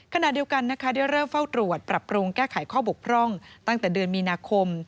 ขณะเดียวกันนะคะได้เริ่มเฝ้าตรวจปรับปรุงแก้ไขข้อบกพร่องตั้งแต่เดือนมีนาคม